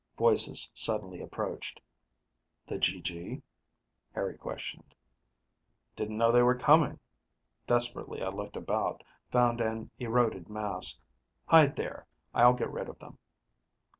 Voices suddenly approached. "The GG?" Harry questioned. "Didn't know they were coming." Desperately, I looked about, found an eroded mass. "Hide there; I'll get rid of them."